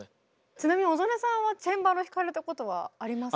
ちなみに小曽根さんはチェンバロ弾かれたことはありますか？